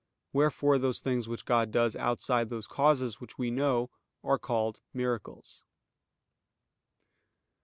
Wherefore those things which God does outside those causes which we know, are called miracles.